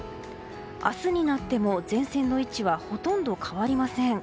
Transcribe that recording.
明日になっても前線の位置はほとんど変わりません。